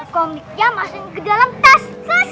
ke dalam tas